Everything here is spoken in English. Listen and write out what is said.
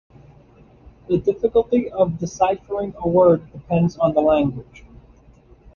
The difficulty of deciphering a word depends on the language.